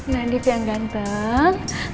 nandip yang ganteng